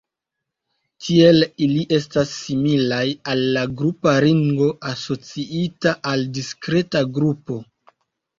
Tiel ili estas similaj al la grupa ringo asociita al diskreta grupo.